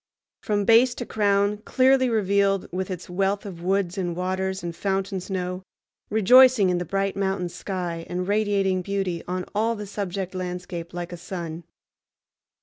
From base to crown clearly revealed with its wealth of woods and waters and fountain snow, rejoicing in the bright mountain sky, and radiating beauty on all the subject landscape like a sun.